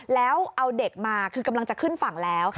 แล้วเอาเด็กมาคือกำลังจะขึ้นฝั่งแล้ว